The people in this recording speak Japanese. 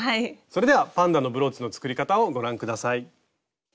それではパンダのブローチの作り方をご覧下さい。